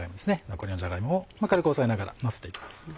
残りのじゃが芋を軽く押さえながらのせていきます。